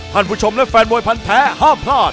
ท่านผู้ชมและแฟนมวยพันแท้ห้ามพลาด